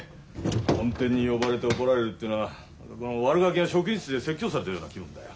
本店に呼ばれて怒られるってのは悪ガキが職員室で説教されてるような気分だよ。